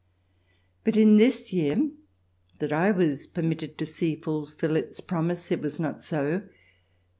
But in this year, that I was permitted to see fulfil its promise, it was not so.